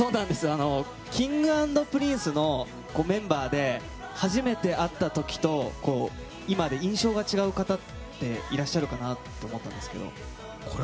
Ｋｉｎｇ＆Ｐｒｉｎｃｅのメンバーで初めて会った時と今で印象が違う方っていらっしゃるかなと思うんですけど。